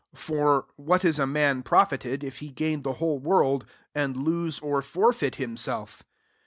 35 For what is a man profited^ tf he gain the whole worl^ and lose [or forfeit] himself